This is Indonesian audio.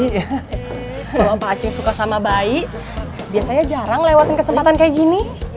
kalau pak aceh suka sama bayi biasanya jarang lewatin kesempatan kayak gini